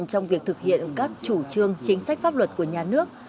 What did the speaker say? trong việc thực hiện các chủ trương chính sách pháp luật của nhà nước